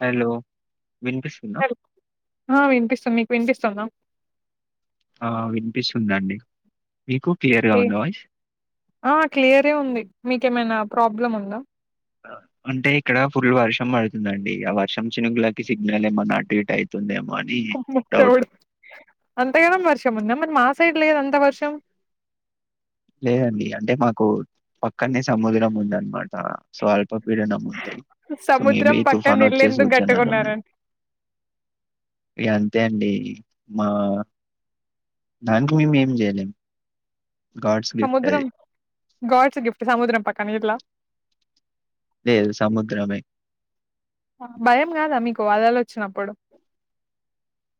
Hello వినిపిస్తుందా? హ వినిపిస్తు మీ వినిపిస్తోమ్ద ఆ వినిపిస్తుందండి మీకు క్లియర్‌గా ఏ ఉందా వాయిస్? ఆ క్లియరే ఉంది మీకేమైనా ప్రాబ్లమ్ ఉందా అంటే ఇక్కడ ఫుల్ వర్షం పడుతుందండి ఆ వర్షం చినుకులకి సిగ్నల్ ఏమన్న అటు ఇటు అవుతుందేమొ ము [unintelligible] అంతగాద వర్షం ఉంద మరి మాసైడ్ లేదు అంత వర్షం లేదండి అంటే మాకు పక్కనే సముద్రం ఉందన్నమాట సో అల్పపీడన ఉంది సో మేబి సముద్రం తుఫాను పక్కన ఇల్లు వచ్చే ఎందుకు సూచనలు ఉన్నాయి కట్టుకున్నారండి ఇక అంతే అండి మా దానికి మేము ఏం చేయలేం గాడ్స్ గిఫ్ట్ సముద్రం అది. గాడ్స్ గిఫ్ట్ సముద్రం పక్కన ఇట్లా లేదు సముద్రమే వరదలు వచ్చినప్పుడు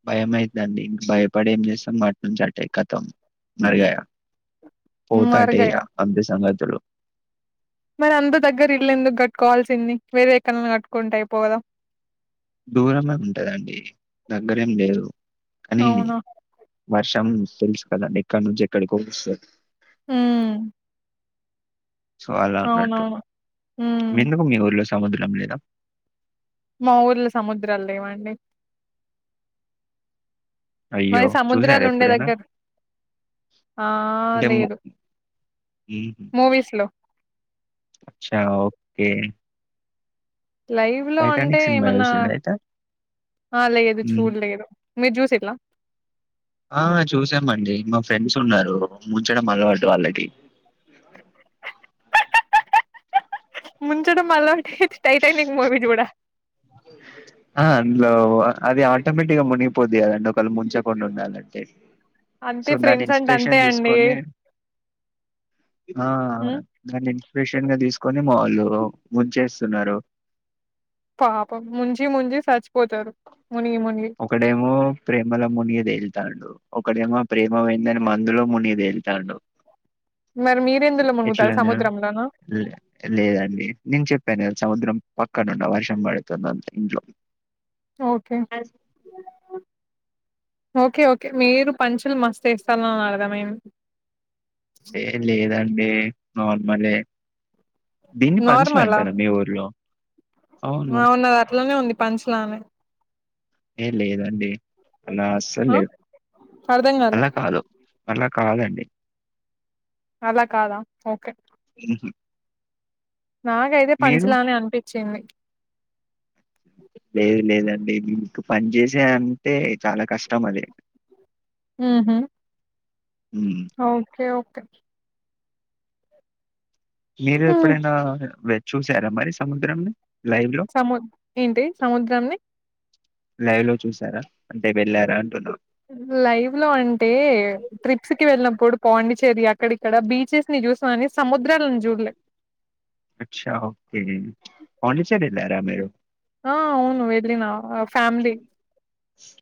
భయమైందండి ఇంకా భయపడే ఏం చేస్తాం అటునుంచి అటే కతం మర్గయా పోతే అటే మరిగయ ఇగ అంతే సంగతులు మరి అందరి దగ్గర ఇల్ళందుకు కట్టుకోవాల్సింది వేరే ఎ కన్నా కట్టుకుంటా అయిపోగదా దూరమే ఉంటదండి దగ్గరేం లేదు కానీ అవునా వర్షం తెలుసు కదండి ఇక్కడ నుంచి ఎక్కడికొ వస్తది హ సో అలా అన్నట్టు ఉమ్ మీందుకు మీ ఊర్లో సముద్రం లేదా మా ఊర్ళ సముద్రాలు లేవండి అయ్యో! మరి చూసారా సముద్రాలు ఉండే ఎప్పుడైనా? దగ్గర ఆ అంటే ము లేదు హుహు. మూవీస్ లో అచ్చా ఓకే లైవ్ లో అంటే 'టైటానిక్' సినిమా ఏమన్నా చూసిండ్రా అయితే? ఆ లేదు హ్మ్. చూడలేదు మీరు జూసిల్లా ఆ చూసామండి మా ఫ్రెండ్స్ ఉన్నారు ముంచడం అలవాటు వాళ్ళకి ముంచడం అల్వాటెం టైటైనింగ్ మూవిీ చూడ అందులో అది ఆటోమేటిక్ గా మునిగిపోద్ కదండి ఒకవేళ ముంచకుండా ఉండాలంటే అంతే సో దాన్ని ఫ్రెండ్స్ అంటే అంతే ఇన్స్పిరేషన్ అండి తీసుకొని ఉమ్ ద మిషన్గా తీసుకొని మావాళ్ళు ముంచేస్తున్నారు పాపం ముంచి ముంజీ సచ్ ఒకడేమో ప్రేమల మునిగిదేల తాండు ఒకడేమ ప్రేమ అయిందని మందులో మునిదేళ్తాడు మరి మీరెందులో మునుగుతారు ఎట్లానా సముద్రంలోనా లేదండి నేను చెప్పాను సముద్రం పక్కనండ వర్ష పడుతుంది అంతే ఇంట్లో ఓకే ఓకే ఓకే మీరు పంచులు మస్తు వేస్తుఅన్నారు అర్ధమైంది ఏం లేదని ఏ నార్మలే దీన్ని పంచలేంటారా మీ ఊర్లో అవును ఆ ఉన్నది అట్లోనే ఉంది పంచలాను ఎ లేదండి అలా అసలే ఆ లేదు అర్ధం కాలే అలా కాదు అలా కాదండి అలా కాదా ఓకే ఉహు నాకైతే పంచ్ లానే అనిపించింది లేదు లేదండి మీకు పంచ్ చేసే అంటే చాలా కష్టం అది అహుమ్ ఉమ్. ఓకే ఓకే కే మీరు హ్మ్. ఎప్పుడైనా వె చూసారా మరి సముద్రంని లైవ్ లో సము ఏంటి సముద్రాన్ని లైవ్ లో చూసారా అంటే వెళ్ళారా అంటున్నా లైవ్ లో అంటే ట్రిప్స్ కి వెళ్ళినప్పుడు పాండిచేరి అక్కడిక్కడ బీచెస్ ని చూసని సముద్రాలను చూడలే అచ్చ ఓకే పోండిచేరిల రా మీరు ఆ! అవును వెళ్ళిన ఆహ్, ఫ్యామిలీ.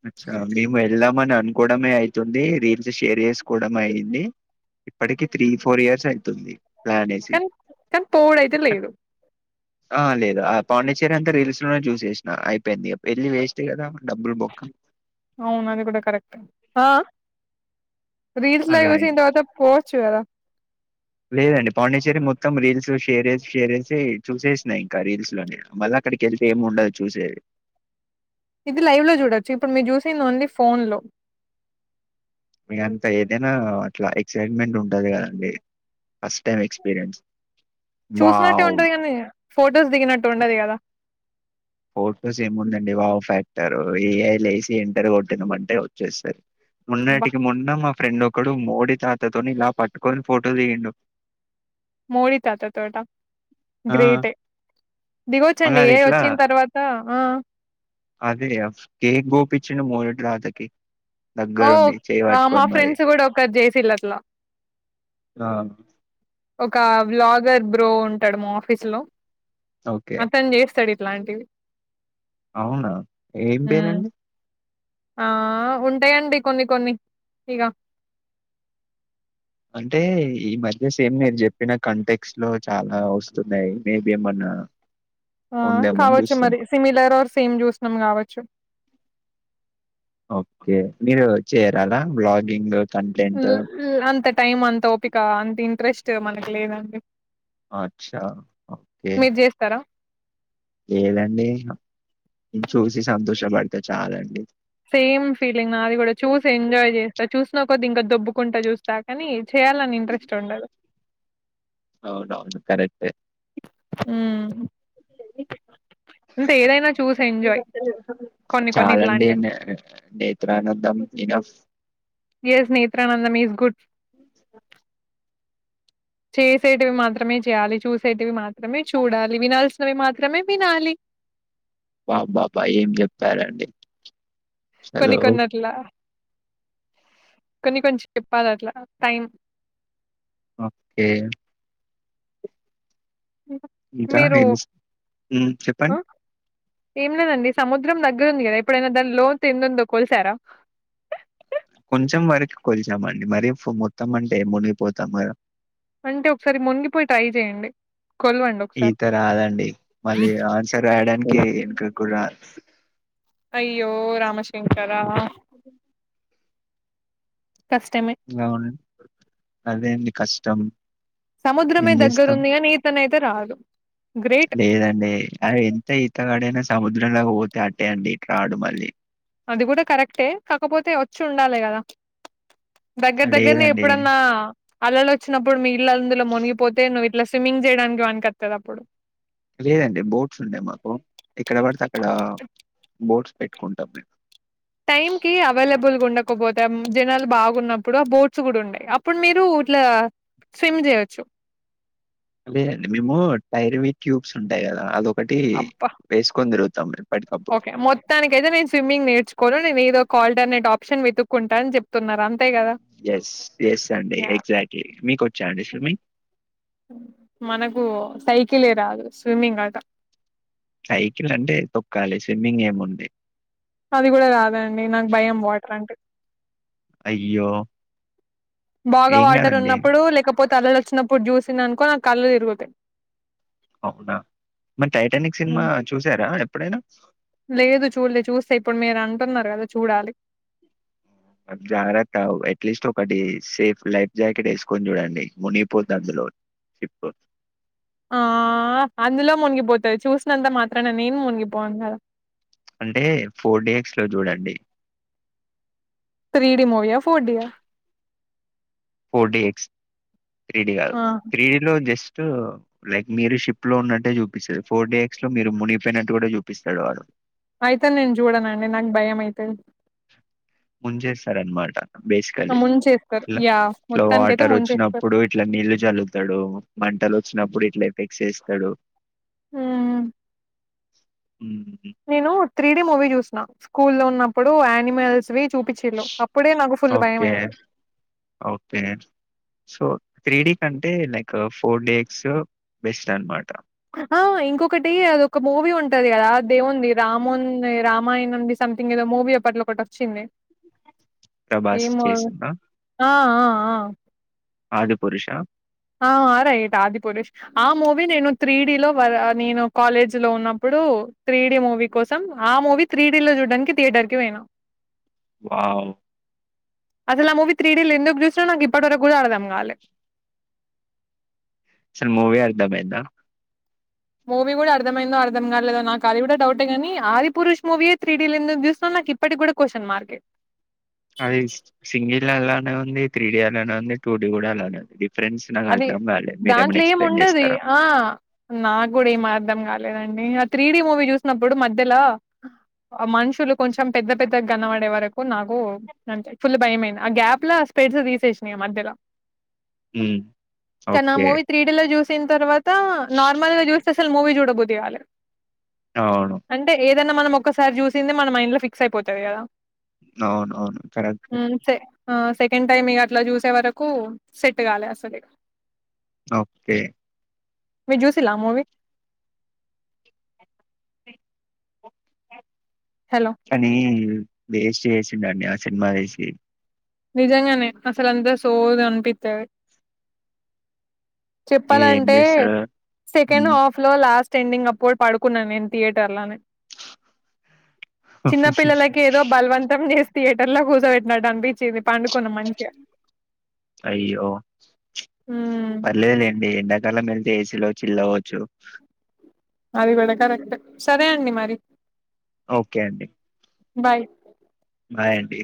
అచ్చ డ్రీ వెళ్దామని అనుకోవడమే అవుతుంది రీల్స్ షేర్ చేసుకోవడంమ అయింది ఇప్పటికి త్రీ ఫోర్ ఇయర్స్ అయితుంది ప్లాన్ వేసి కానీ పోడయితే లేదు ఆ లేదు ఆ పాండచేరి అంతా రీల్స్ లోనే చూసేసినా అయిపోయింది పెళ్ళి చె తే కాదా అవును అది కూడా కరెక్ట్ రీల్స్ లో అలా అయింది యూస్ందతే పోస్ట్ వ లేదండి పాండిచ్చేరి మొత్తం రీల్స్ షేర్ షేర్ చేేసి చూసేసినాయి ఇంకా రీల్స్ లోని మళ్ళీ అక్కడికి వెళ్తే ఏం ఉండదు చూసేది ఇది లైవ్ లో చూడొచ్చు ఇప్పుడు మీరు చూసింది ఓన్లీ ఫోన్ లో ఇగ అంత ఏదైనా అట్లా ఎక్సైట్మెంట్ ఉంటది కదండి ఫస్ట్ టైమ్ ఎక్స్పీరియన్స్ చూసినట్టే వావ్ ఉంటది కానీ ఫోన్ దిగినట్టు ఉండది కదా ఫోటోస్ ఏం ఉందండి వావ్ ఫ్యాక్టర్ ఏఐసి ఇంటర్ కొట్టింద అంటే వచ్చేస్తారు అబ్బా! మోన్నటికి మొన్న మా ఫ్రెండ్ ఒక ఇక్కడు మోడ తాతతోని ఇలా పట్టుకొని ఫోటో తీయండు మోడి తాత తొట గ్రేటే మళ్ళ దిగవచ్చండి అది ఏ ఎట్లా వచ్చిన తర్వాత ఆ అదే కేక్ పోపచ్చిడు మోరడు రాతకి ఓ మా ఫ్రెండ్స్ కూడా ఒకరు జేసిల్లు అట్లా ఆ ఒక బ్లాగర్ బ్రో ఉంటాడు మా ఆఫీస్ లో ఓకే అతను చేస్తాడి ఇట్లాంటివి అవునా ఏం హ్మ్ పేరండి ఆ ఉంటాయండి కొన్ని కొన్ని ఇక అంటే ఈ మధ్య సేమ్ నేను చెప్పిన కాంటెక్స్ట్ లో చాలా వస్తున్నాయి మేబి ఏమన్నా ఆ ఉందేమో అని కావచ్చు మరి చూస్తున్నా. సిమిలర్ ఆర్ సేమ్ చూసినాం కావచ్చు ఓకే మీరు చేరాలా బ్లాగింగ్ కంటెంట్? అంత టైమ్ అంత ఓపిక అంత ఇంట్రెస్ట్ మనకి లేదండి అచ్చా ఓకే మీరు చేస్తారా ఏదండి ఇ చూసి సంతోషపడితే చాలండి సేమ్ ఫీలింగ్ నాది కూడా చూసి ఎంజాయ్ చేస్తా చూసిన కొద్ది ఇంకా దొబ్బుకుంట చూస్తా కనీ చెయ్యాలని ఇంట్రెస్ట్ ఉండదు అవునవును కరెక్టే హ చూసి ఎంజాయ్ కొన్ని కొన్ని చాలండి ఇట్లాంటివి న నేత్రానందం నినఫ స్ నత్రానందం ఈస్ గుడ్ చేసేటివి మాత్రమే చేయాలి చూసేటవి మాత్రమే చూడాలి వినాల్సినవి మాత్రమే వినాలి బా బాబా ఏం చెప్పారండి కొన్ని అసలు. కొన్నట్లా కొన్ని కొంచెం చెప్పాలి అట్లా టైం ఓకే ఇంకా మీరు ఏమి ఊ ఆ చెప్పండి ఏం లేదండి సముద్రం దగ్గరుంది కదా ఎప్పుడైనా దాని లోతు ఎంత ఉందో కొలిసారా కొంచెం వరకు కొల్చామండి మరి మొత్తం అంటే మునిగిపోతాం మరి అంటే ఒకసారి మునిగిపోయి ట్రై చేయండి కొలవండి ఒకసారి ఈత రాదండి మళ్ళీ ఆన్సర్ వేయడానికి వెనక కూడా అయ్యో రామశంకర అ కష్టమే అవున అదేంటీ కష్టం ఏం సముద్రమే జేస్తాం. దగ్గరుంది ఈతన యితే రాదు గ్రేట్ లేదండి అ ఎంత ఈతగాడైనా సర్ సముద్రం లోకి పోతే అట్టేయండి ఇట్ రాడు మళ్ళీ అది కూడా కరెక్టే కాకపోతే వచ్చి ఉండాలి కదా దగ్గర దగ్గరేనే లేదండి. ఎప్పుడన్నా అలలు వచ్చినప్పుడు మీ ఇల్ందులో మునిగిపోతే ను్వు ఇట్లా స్విమ్మింగ్ చేయడానికి వనికివత్తది అప్పుడు లేదండి బోట్స్ ఉన్నాయి మాకు ఇక్కడ పడితే అక్కడ బోట్స్ పెట్టుకుంటాం మేము టైమ్ కి అవైలబుల్ గా ఉండకపోతే జనాలు బాగున్నప్పుడు ఆ బోట్స్ కూడా ఉండయి అప్పుడు మీరు ఇట్లా స్విమ్ చేయచ్చు అద అండి మేము టైర్వి ట్యూబ్స్ ఉంటాయి కదా అ అబ్బా ఎప్పటికప్పుడు. ఓకే మొత్తానికైతే నేను స్విమ్మింగ్ నేర్చుకోను నేను ఇదో కాల్డర్ అనేడ్ ఆప్షన్ వెతుక్కుంటా అని చెప్తున్నారు అంత ఎస్ ఎస్ అండి ఎగ్జాక్ట్లీ మీకు వచ్చి మనకు సై క్లి రాదు స్విమ్మింగ్ గాక సైకిల్ అంటే తొక్కాలి స్విమ్మింగ్ ఏముండే అది కూడా రాదండి నాకు భయం వాటర్ అంటే అయ్యో బాగా ఏం వాటర్ గాదండి. ఉన్నప్పుడు లేకపో పోతే అలలు వచ్చినప్పుడు చూసింది అనుకో నాకు కళ్ళుతిరుగుతాయి అవునా మరి టైటానిక్ సినిమా హ్మ్. చూసారా ఎప్పుడైనా ంటున్నారు కదా చూడాలి జాగ్రత్తవు అట్లీస్ట్ ఒకటి సేఫ్ లైఫ్ జాకెట్ వేసుకొని చూడండి మునిగిపొద్దు అందులో షిప్ ఆ అందులో మునిగిపోతది చూసినంత మాత్రన నేను మునిగిపోను కదా అంటే ఫోర్ డీ ఎక్స్ లో చూడండి త్రీడి మూవీ ఆ four D yeah four D X three D కాదు ఆ త్రీడీలో జస్ట్ లైక్ మీరు షిప్ లో ఉన్నట్టే చూపిస్తడు ఫోర్ డే ఎక్స్ లో మీరు మునిగిపోయినట్టు కూడా చూపిస్తాడు వాడు అయితే నేను చూడనండి నాకు భయం అయితది ముంచేస్తారనమాట బేసికలీ ముంచేస్తారు ఇలా యా ఇలా మొత్తానికైతే వాటర్ ముంచేస్తారు. వచ్చినప్పుడు ఇట్లా నీళ్లు చల్లుతాడు మంటలు వచ్చినప్పుడు ఇట్లా ఎఫెక్స్ చేస్తాడు ఉమ్ మ్మ్. నేను త్రీడి మూవీ చూస్త స్కూల్ లో ఉన్నప్పుడు యానిమల్స్ వి చూపించిల్లు అప్పుడే నాకు ఫుల్ భయం ఓకే అయింది ఓకే సో త్రీ డేక్ అంటే లైక్ ఫోర్ డేక్స్ బెస్ట్ అనమాట ఆ ఇంకొకటి అదొక మూవీ ఉంటది కదా దేవుంది రామోన్ రామాయణం ద సంథింగ్ ఏదో మూవీ అప్పట్లో ఒకటి వచ్చింది ప్రభాస్ ఏమో చేసిన ఆ... ఆ.. ఆ ఆదిపురుషా రైట్ ఆదిపురుష్ ఆ మూవీ నేను త్రీ డీలో నేను కాలేజీలో ఉన్నప్పుడు త్రీ డీ మూవీ కోసం ఆ మూవీ త్రీడీలో చూడ్డానికి థియేటర్కి పోయినా వావ్ అసలు ఆ మూవీ త్రీ డీలో ఎందుకు చూసిన నాకు ఇప్పటి వరకు అర్థం కాలే అసలు మూవీ అర్దమయిందా మూవీ కూడా అర్థమైందో అర్థం కాలేదో నాకు అది కూడా డౌటేగాని ఆదిపురుష్ మూవీయే త్రీ డీలో ఎందుకు చూసిన్నో నాకు ఇప్పటికి కూడా క్వశ్చన్ మార్కే అది సింగిల్ అలానే ఉంది త్రీ డి అలానే ఉంది టూ డి కూడా అలానే ఉంది డిఫరెన్స్ నాకు అది అర్థం కాలేదు మీరేమైనా దాంట్లో ఏమి ఎక్స్ప్లెయిన్ ఉండదు చేస్తారా ఆ నా కూడా ఏమ అర్థం కాదు లేదండి ఆ త్రీడీ మూవీ చూసినప్పుడు మధ్యలో మనుషులు కొంచెం పెద్ద పెద్ద గనపడే వరకు నాకు ఫుల్ భయయింది ఆ గ్యాప్లా స్పెడ్స్ తీసేసినాయి మధ్యలో హ్మ్. కానా ఓకే. మూవీ త్రీడి లో చూసి న తరువాత త నార్మల్గా చూస్తే అసలు మూవీ చూడక బుద్ధి గాలే అవును ఏదన్న మనం ఒకసారి చూసింది మన మైండ్ లో ఫిక్స్ అయిపోతది కదా అవునవును కరెక్టే హ్మ్. సె ఆ సెకండ్ టైమ్ ఇక అట్లా చూసే వరకు సెట్ కాలే అసలు సరే ఓకే మిర్జుసిల్లా మూవీ హలో! అ అధి దేశ చే చి ఆ సినిమా వసి నిజంగానే అసలు అంతా సోది అనిపిత్తారు. ఏం చెప్పాలంటే చేస్తాడో సెకండ్ హ్మ్. హాఫ్ లో లాస్ట్ ట్రెండింగ్ అప్పుడు పడుకున్నాను నేను థియేటర్ లోనే చిన్న పిల్లలకి ఏదో బలవంతం చేస్ థయటర్ లో కూసో బట్టిడు అపి అయ్యో పల్లె లే లెండి ఏడి ఎండాకాలం వెళ్తే లో చిలవచ్చు అది కూడా కరెక్టే సరే అండి మరి ఓకే అండి బాయ్ బాయ్ అండి